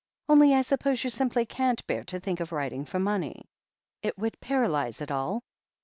Only I suppose you simply can't bear to think of writing for money ? It would paralyze it all?"